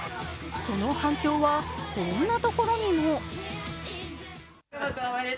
その反響はこんなところにも。